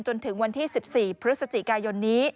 จนถึงวันที่๑๔พฤศจิกายนนี้